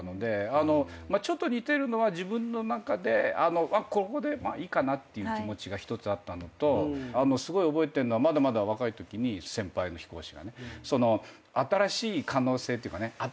ちょっと似てるのは自分の中でここでいいかなっていう気持ちが一つあったのとすごい覚えてるのはまだまだ若いときに先輩の飛行士がね新しい可能性っていうかね。